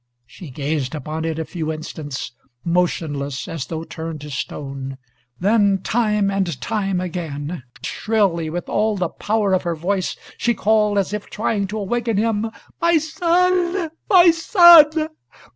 She gazed upon it a few instants, motionless as though turned to stone. Then time and time again, shrilly, with all the power of her voice, she called as if trying to awaken him, "My son! My son!